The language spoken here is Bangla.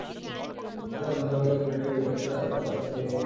কাজেই অন্ধকারে একলাটি ঐ পথে আসতে গোপালের ভয় করত।